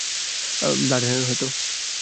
ব্লাডহেভেনে, হয়তো।